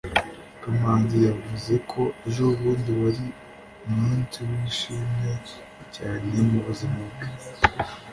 kamanzi yavuze ko ejobundi wari umunsi wishimye cyane mubuzima bwe